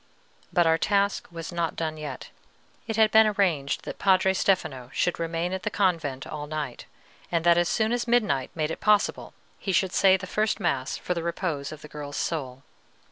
But our task was not done yet. It had been arranged that Padre Stefano should remain at the convent all night, and that as soon as midnight made it possible he should say the first mass for the repose of the girl's soul.